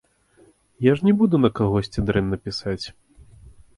Я ж не буду на кагосьці дрэнна пісаць.